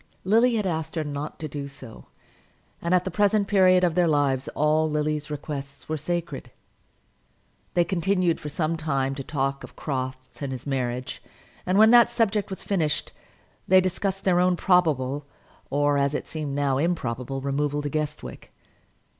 Lily had asked her not to do so, and at the present period of their lives all Lily's requests were sacred. They continued for some time to talk of Crofts and his marriage; and when that subject was finished, they discussed their own probable, or, as it seemed now, improbable, removal to Guestwick.